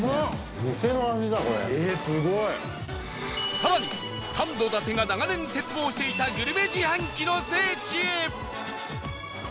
更に、サンド伊達が長年切望していたグルメ自販機の聖地へ！